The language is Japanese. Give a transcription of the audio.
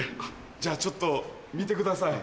じゃあちょっと見てください。